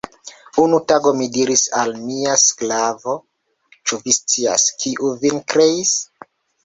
Unu tagon, mi diris al mia sklavo, Ĉu vi scias, kiu vin kreis?